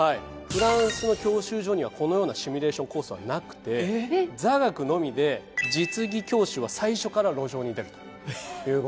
フランスの教習所にはこのようなシミュレーションコースはなくて座学のみで実技教習は最初から路上に出るという事なんですね。